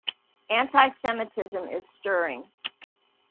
Anti-semitism is stirring.